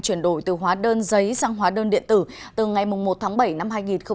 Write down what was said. chuyển đổi từ hóa đơn giấy sang hóa đơn điện tử từ ngày một tháng bảy năm hai nghìn hai mươi